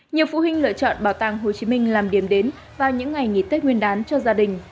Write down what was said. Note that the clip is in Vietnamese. nhiều phụ huynh lựa chọn bảo tàng hồ chí minh làm điểm đến vào những ngày nghỉ tết nguyên đán cho gia đình